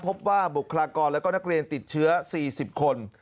พบว่าบุคลากรและก็นักเรียนติดเชื้อ๔๐คน